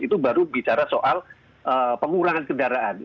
itu baru bicara soal pengurangan kendaraan